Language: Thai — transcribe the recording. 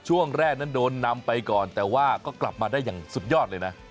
ช่วงแรกนั้นโดนนำไปก่อนแต่ว่าก็กลับมาได้อย่างสุดยอดเลยนะ